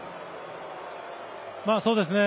そうですね。